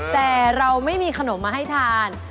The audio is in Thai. แต่เราไม่มีขนมมาให้ทาน